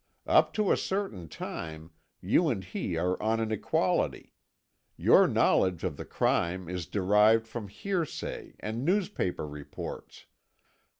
Up to a certain time you and he are on an equality; your knowledge of the crime is derived from hearsay and newspaper reports.